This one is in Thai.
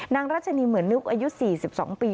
รัชนีเหมือนนึกอายุ๔๒ปี